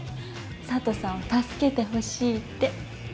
佐都さんを助けてほしいって。